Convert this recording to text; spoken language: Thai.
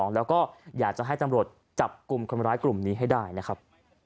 แล้วก็อยากจะให้ตำรวจจับกลุ่มคนร้ายกลุ่มนี้ให้ได้นะครับ